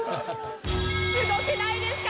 すごくないですか？